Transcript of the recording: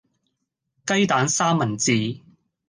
雞蛋三文治